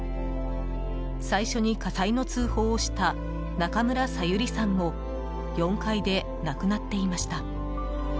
最初に火災の通報をした中村沙由理さんも４階で亡くなっていました。